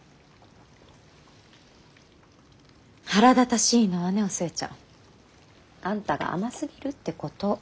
腹立たしいのはねお寿恵ちゃんあんたが甘すぎるってこと。